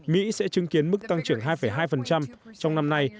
mỹ sẽ chứng kiến mức tăng trưởng hai hai trong năm nay